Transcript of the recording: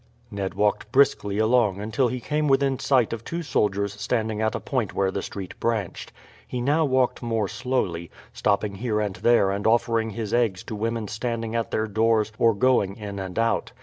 Ned walked briskly along until he came within sight of two soldiers standing at a point where the street branched. He now walked more slowly, stopping here and there and offering his eggs to women standing at their doors or going in and out.